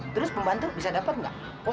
terus pembantu bisa dapat nggak